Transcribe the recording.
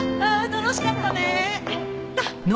楽しかった。